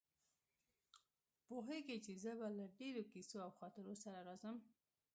پوهېږي چې زه به له ډېرو کیسو او خاطرو سره راځم.